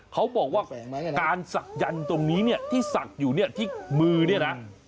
เขาบอกว่าการศักยันต์ตรงนี้เนี่ยที่ศักดิ์อยู่เนี่ยที่มือเนี่ยนะ